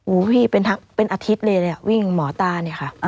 อุ้ยยินยาของหมอตานี้ค่ะ